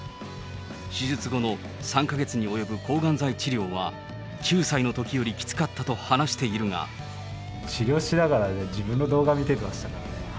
手術後の３か月に及ぶ抗がん剤治療は９歳のときよりきつかったと治療しながら自分の動画見ていましたからね。